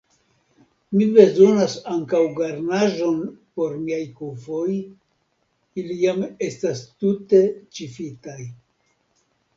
Mi bezonas ankaŭ garnaĵon por miaj kufoj, ili jam estas tute ĉifitaj.